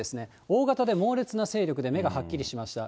大型で猛烈な勢力で目がはっきりしました。